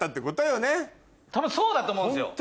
多分そうだと思うんですよ